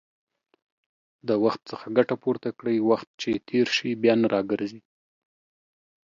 د وخت څخه ګټه پورته کړئ، وخت چې تېر شي، بيا نه راګرځي